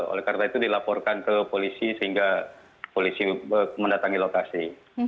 oleh karena itu dilaporkan ke polisi sehingga polisi mendatangi lokasi